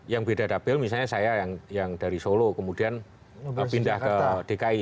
yang beda dapil misalnya saya yang dari solo kemudian pindah ke dki